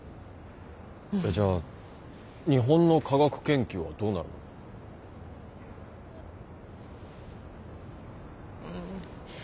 えじゃあ日本の科学研究はどうなるの？